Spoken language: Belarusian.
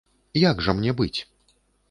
Як жа мне быць?